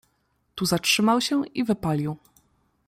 "Tu zatrzymał się i wypalił."